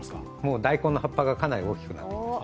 大根の葉っぱがかなり大きくなっています。